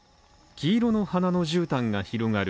黄色の花のじゅうたんが広がる